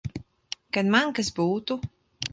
Kad man kas būtu.